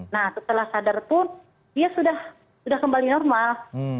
nah setelah sadar pun dia sudah kembali normal